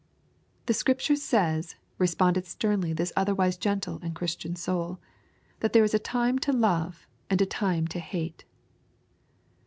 "The Scripture says," responded sternly this otherwise gentle and Christian soul, "that there is a time to love and a time to hate."